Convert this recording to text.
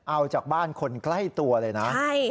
เอาจากบ้านคนใกล้ตัวเลยนะ